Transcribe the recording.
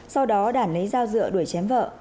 sau đó đản lấy rau rượu đuổi chém vợ